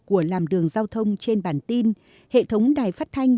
của làm đường giao thông trên bản tin hệ thống đài phát thanh